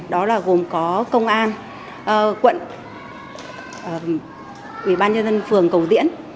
đó là gồm có công an quận ủy ban nhân dân phường cầu diễn